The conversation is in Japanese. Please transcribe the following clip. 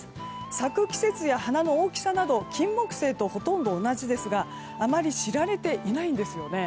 咲く季節や花の大きさなどキンモクセイとほとんど同じですがあまり知られていないんですよね。